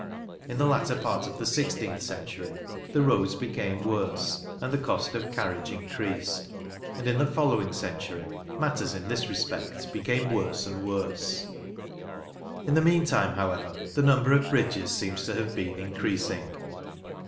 In the latter part of the sixteenth century the roads became worse, and the cost of carriage increased. And in the following century matters in this respect became worse and worse. In the meantime, however, the number of bridges seems to have been increasing.